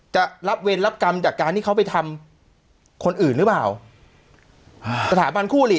จะรับเวรรับกรรมจากการที่เขาไปทำคนอื่นหรือเปล่าอ่าสถาบันคู่หลี